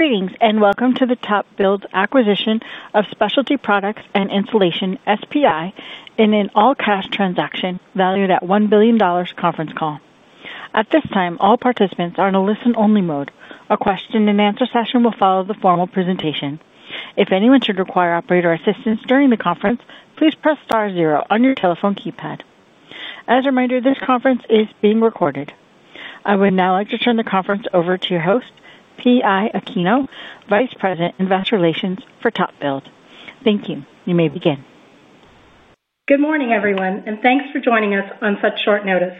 Greetings and welcome to the TopBuild acquisition of Specialty Products and Insulation (SPI) in an all-cash transaction valued at $1 billion conference call. At this time, all participants are in a listen-only mode. A question-and-answer session will follow the formal presentation. If anyone should require operator assistance during the conference, please press star zero on your telephone keypad. As a reminder, this conference is being recorded. I would now like to turn the conference over to your host, PI Aquino, Vice President Investor Relations for TopBuild. Thank you. You may begin. Good morning, everyone, and thanks for joining us on such short notice.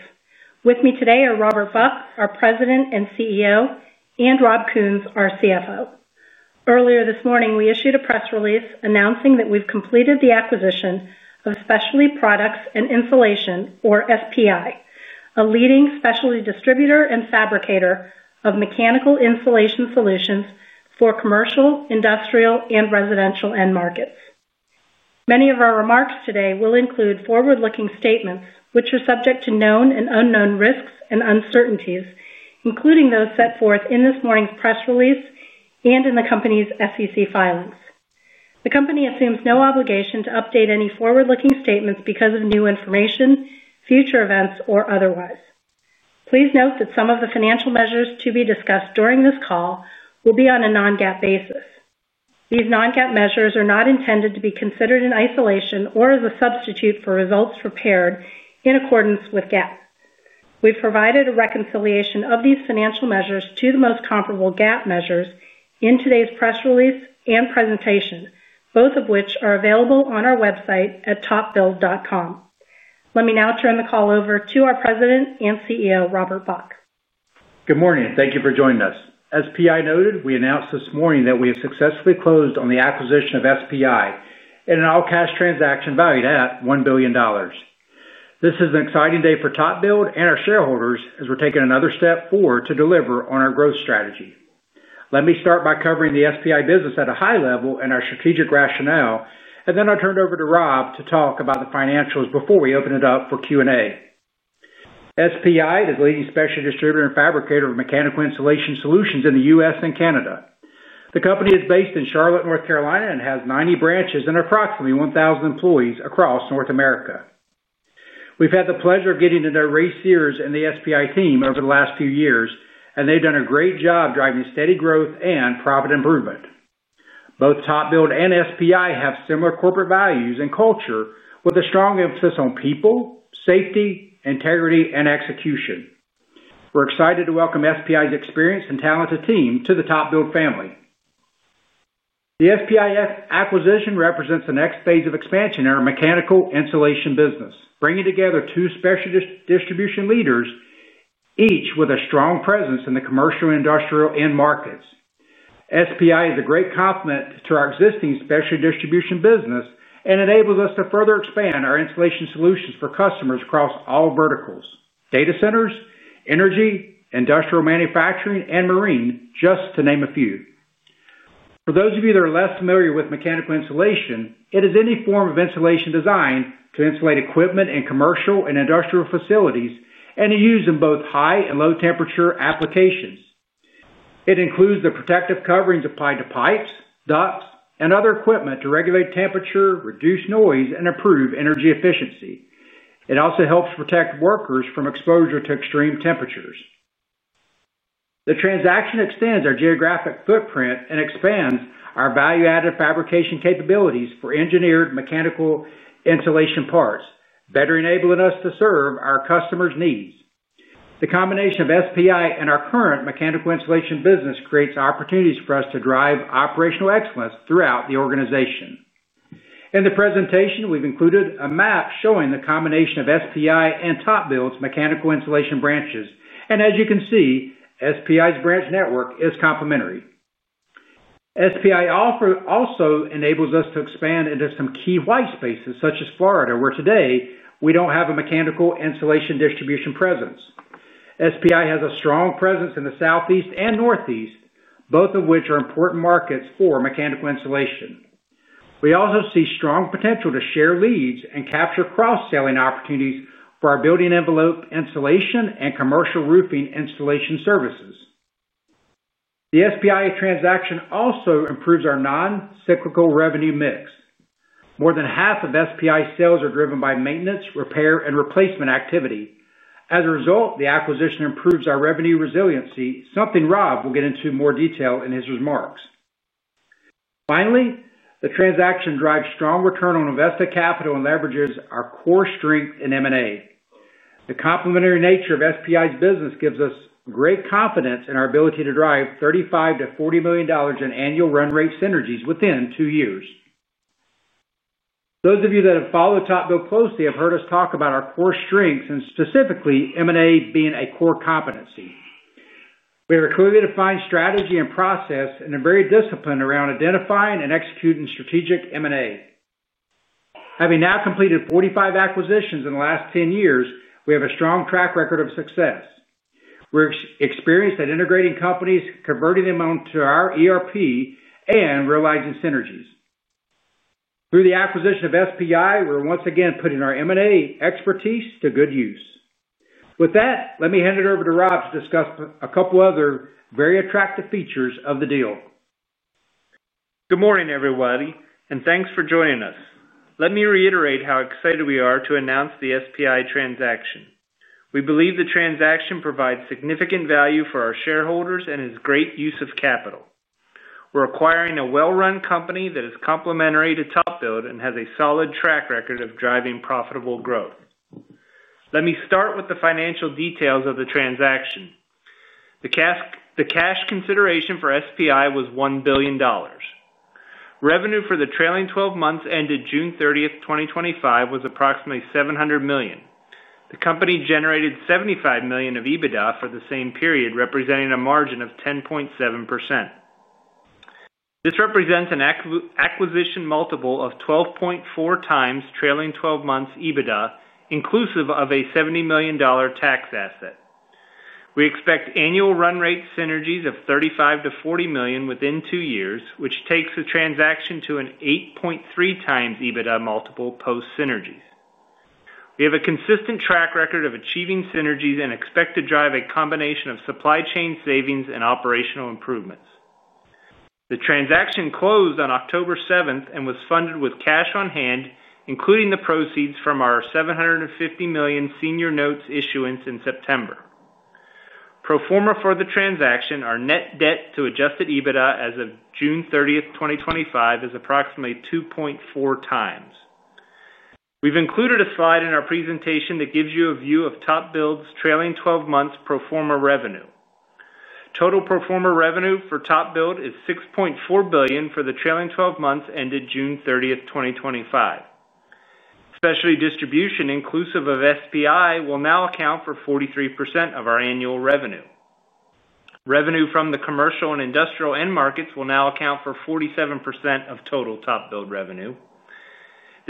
With me today are Robert Buck, our President and CEO, and Rob Kuhns, our CFO. Earlier this morning, we issued a press release announcing that we've completed the acquisition of Specialty Products and Insulation, or SPI, a leading specialty distributor and fabricator of mechanical insulation solutions for commercial, industrial, and residential end markets. Many of our remarks today will include forward-looking statements, which are subject to known and unknown risks and uncertainties, including those set forth in this morning's press release and in the company's SEC filings. The company assumes no obligation to update any forward-looking statements because of new information, future events, or otherwise. Please note that some of the financial measures to be discussed during this call will be on a non-GAAP basis. These non-GAAP measures are not intended to be considered in isolation or as a substitute for results prepared in accordance with GAAP. We've provided a reconciliation of these financial measures to the most comparable GAAP measures in today's press release and presentation, both of which are available on our website at topbuild.com. Let me now turn the call over to our President and CEO, Robert Buck. Good morning. Thank you for joining us. As PI noted, we announced this morning that we have successfully closed on the acquisition of Specialty Products and Insulation (SPI) in an all-cash transaction valued at $1 billion. This is an exciting day for TopBuild and our shareholders, as we're taking another step forward to deliver on our growth strategy. Let me start by covering the SPI business at a high level and our strategic rationale, and then I'll turn it over to Rob to talk about the financials before we open it up for Q&A. SPI is a leading specialty distributor and fabricator of mechanical insulation solutions in the U.S. and Canada. The company is based in Charlotte, North Carolina, and has 90 branches and approximately 1,000 employees across North America. We've had the pleasure of getting to know Ray Sears and the SPI team over the last few years, and they've done a great job driving steady growth and profit improvement. Both TopBuild and SPI have similar corporate values and culture, with a strong emphasis on people, safety, integrity, and execution. We're excited to welcome SPI's experienced and talented team to the TopBuild family. The SPI acquisition represents the next phase of expansion in our mechanical insulation business, bringing together two specialty distribution leaders, each with a strong presence in the commercial and industrial end markets. SPI is a great complement to our existing specialty distribution business and enables us to further expand our installation solutions for customers across all verticals: data centers, energy, industrial manufacturing, and marine, just to name a few. For those of you that are less familiar with mechanical insulation, it is any form of insulation designed to install equipment in commercial and industrial facilities and to use in both high and low-temperature applications. It includes the protective coverings applied to pipes, ducts, and other equipment to regulate temperature, reduce noise, and improve energy efficiency. It also helps protect workers from exposure to extreme temperatures. The transaction extends our geographic footprint and expands our value-added fabrication capabilities for engineered mechanical insulation parts, better enabling us to serve our customers' needs. The combination of SPI and our current mechanical insulation business creates opportunities for us to drive operational excellence throughout the organization. In the presentation, we've included a map showing the combination of SPI and TopBuild's mechanical insulation branches, and as you can see, SPI's branch network is complementary. SPI also enables us to expand into some key white spaces, such as Florida, where today we don't have a mechanical insulation distribution presence. SPI has a strong presence in the Southeast and Northeast, both of which are important markets for mechanical insulation. We also see strong potential to share leads and capture cross-selling opportunities for our building envelope installation and commercial roofing installation services. The SPI transaction also improves our non-cyclical revenue mix. More than half of SPI's sales are driven by maintenance, repair, and replacement activity. As a result, the acquisition improves our revenue resiliency, something Rob will get into more detail in his remarks. Finally, the transaction drives strong return on invested capital and leverages our core strength in M&A. The complementary nature of SPI's business gives us great confidence in our ability to drive $35 million-$40 million in annual run-rate synergies within two years. Those of you that have followed TopBuild closely have heard us talk about our core strengths and specifically M&A being a core competency. We have a clearly defined strategy and process and are very disciplined around identifying and executing strategic M&A. Having now completed 45 acquisitions in the last 10 years, we have a strong track record of success. We're experienced at integrating companies, converting them onto our ERP, and realizing synergies. Through the acquisition of SPI, we're once again putting our M&A expertise to good use. With that, let me hand it over to Rob to discuss a couple of other very attractive features of the deal. Good morning, everybody, and thanks for joining us. Let me reiterate how excited we are to announce the SPI transaction. We believe the transaction provides significant value for our shareholders and is a great use of capital. We're acquiring a well-run company that is complementary to TopBuild and has a solid track record of driving profitable growth. Let me start with the financial details of the transaction. The cash consideration for SPI was $1 billion. Revenue for the trailing 12 months ended June 30th, 2025, was approximately $700 million. The company generated $75 million of EBITDA for the same period, representing a margin of 10.7%. This represents an acquisition multiple of 12.4x trailing twelve months EBITDA, inclusive of a $70 million tax asset. We expect annual run-rate synergies of $35 million-$40 million within two years, which takes the transaction to an 8.3x EBITDA multiple post-synergies. We have a consistent track record of achieving synergies and expect to drive a combination of supply chain savings and operational improvements. The transaction closed on October 7 and was funded with cash on hand, including the proceeds from our $750 million senior notes issuance in September. Pro forma for the transaction, our net debt to adjusted EBITDA as of June 30, 2025, is approximately 2.4x. We've included a slide in our presentation that gives you a view of TopBuild's trailing twelve months pro forma revenue. Total pro forma revenue for TopBuild is $6.4 billion for the trailing 12 months ended June 30th, 2025. Specialty distribution, inclusive of SPI, will now account for 43% of our annual revenue. Revenue from the commercial and industrial end markets will now account for 47% of total TopBuild revenue.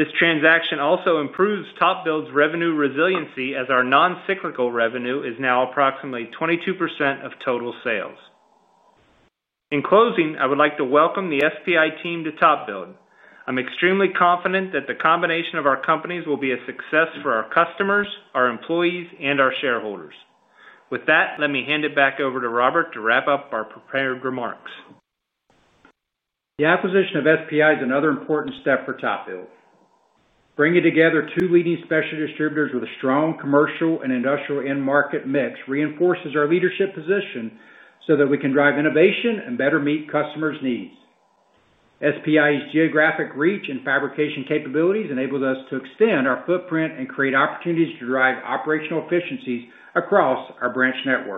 This transaction also improves TopBuild's revenue resiliency as our non-cyclical revenue is now approximately 22% of total sales. In closing, I would like to welcome the SPI team to TopBuild. I'm extremely confident that the combination of our companies will be a success for our customers, our employees, and our shareholders. With that, let me hand it back over to Robert to wrap up our prepared remarks. The acquisition of SPI is another important step for TopBuild. Bringing together two leading specialty distributors with a strong commercial and industrial end-market mix reinforces our leadership position so that we can drive innovation and better meet customers' needs. SPI's geographic reach and fabrication capabilities enable us to extend our footprint and create opportunities to drive operational efficiencies across our branch network.